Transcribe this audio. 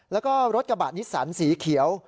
แล้วก็รถกระบะนิสสันสีเขียว